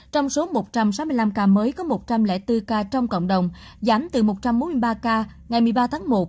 trong số một trăm sáu mươi năm ca mới có một trăm linh bốn ca trong cộng đồng giảm từ một trăm bốn mươi ba ca ngày một mươi ba tháng một